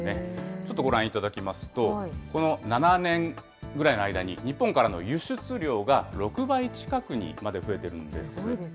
ちょっとご覧いただきますと、この７年ぐらいの間に、日本からの輸出量が６倍近くにまで増えているんです。